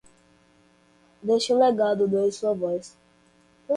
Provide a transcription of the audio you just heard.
Deixe um legado, doe sua voz